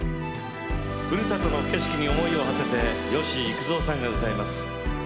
ふるさとの景色に思いをはせて吉幾三さんが歌います。